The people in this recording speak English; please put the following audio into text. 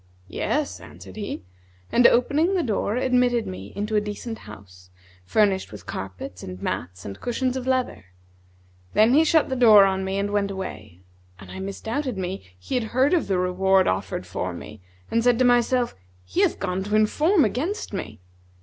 'Yes,' answered he, and opening the door admitted me into a decent house, furnished with carpets and mats and cushions of leather. Then he shut the door on me and went away; and I misdoubted me he had heard of the reward offered for me, and said to myself, 'He hath gone to inform against me.'